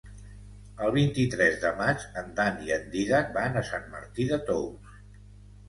El vint-i-tres de maig en Dan i en Dídac van a Sant Martí de Tous.